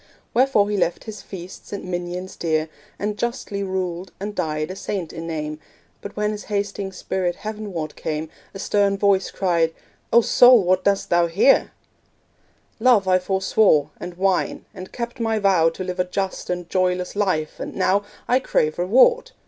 Wherefore he left his feasts and minions dear, And justly ruled, and died a saint in name. But when his hasting spirit heavenward came, A stern voice cried 'O Soul! what dost thou here?' 'Love I forswore, and wine, and kept my vow To live a just and joyless life, and now I crave reward.'